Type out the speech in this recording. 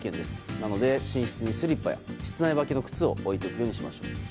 なので、寝室にスリッパや室内履きの靴を置いておくようにしましょう。